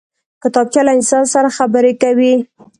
کتابچه له انسان سره خبرې کوي